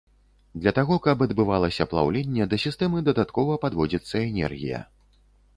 Для таго, каб адбывалася плаўленне, да сістэмы дадаткова падводзіцца энергія.